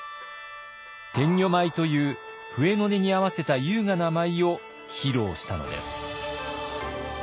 天女舞という笛の音に合わせた優雅な舞を披露したのです。